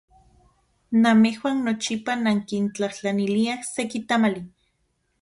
Namejuan nochipa nankintlajtlaniliaj seki tamali.